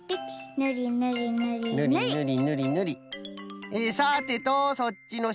ぬりぬりぬりぬりぬり。